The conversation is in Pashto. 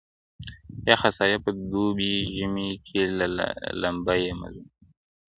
یخه سایه په دوبي ژمي کي لمبه یمه زه,